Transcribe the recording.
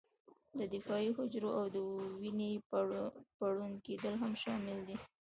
د دفاعي حجرو او د وینې پړن کېدل هم شامل دي.